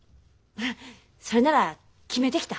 それなら決めてきた。